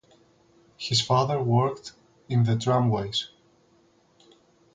His father worked in the tramways.